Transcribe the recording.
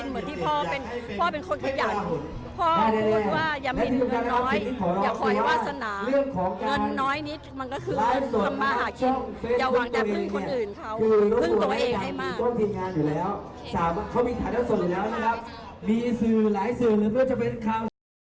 มีสื่อหลายสื่อนึกว่าจะเป็นข้าว